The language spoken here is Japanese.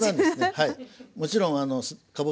はい。